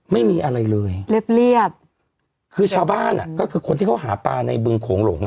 ไม่มีอะไรเลยเรียบเรียบคือชาวบ้านอ่ะก็คือคนที่เขาหาปลาในบึงโขงหลงอ่ะ